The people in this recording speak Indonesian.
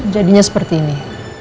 jadinya seperti ini